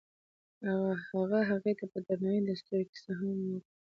هغه هغې ته په درناوي د ستوري کیسه هم وکړه.